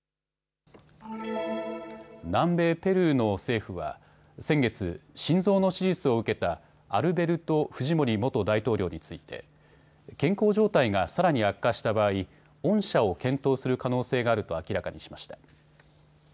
南米ペルーの政府は先月、心臓の手術を受けたアルベルト・フジモリ元大統領について健康状態がさらに悪化した場合、恩赦を検討する可能性があると明らかにしました。